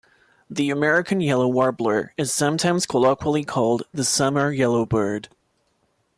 The American yellow warbler is sometimes colloquially called the "summer yellowbird".